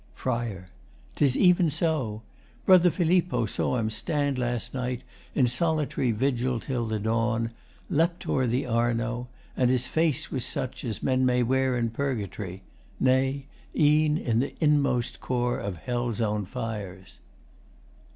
FRI. 'Tis even so. Brother Filippo saw him stand last night In solitary vigil till the dawn Lept o'er the Arno, and his face was such As men may wear in Purgatory nay, E'en in the inmost core of Hell's own fires.